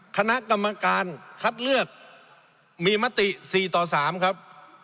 คณะกรรมการคัดเลือกมีมติ๔ต่อ๓ครับ